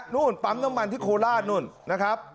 นู่นปั๊มน้ำมันที่โคราชนู่นนะครับ